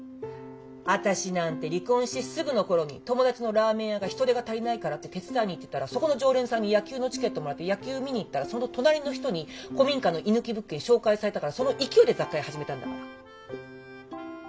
私なんて離婚してすぐのころに友達のラーメン屋が人手が足りないからって手伝いに行ってたらそこの常連さんに野球のチケットもらって野球見に行ったらその隣の人に古民家の居抜き物件紹介されたからその勢いで雑貨屋始めたんだから。